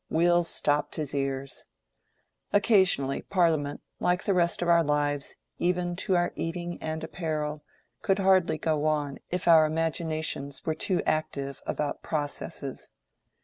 Will stopped his ears. Occasionally Parliament, like the rest of our lives, even to our eating and apparel, could hardly go on if our imaginations were too active about processes.